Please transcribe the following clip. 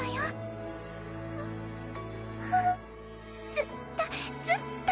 ずっとずっと